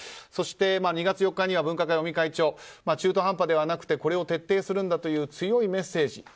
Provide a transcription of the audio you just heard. そして、２月４日には分科会の尾身会長中途半端ではなくてこれを徹底するんだという強いメッセージ。